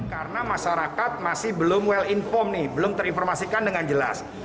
karena masyarakat masih belum well inform nih belum terinformasikan dengan jelas